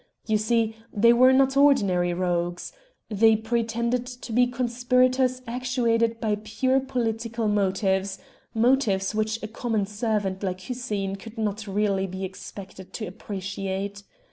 You see they were not ordinary rogues. They pretended to be conspirators actuated by pure political motives motives which a common servant like Hussein could not really be expected to appreciate.